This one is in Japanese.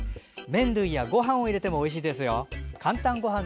麺類や、ごはんを入れてもおいしいですよ。